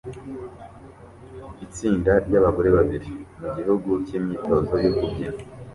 Itsinda ryabagore bari mu gihu cyimyitozo yo kubyina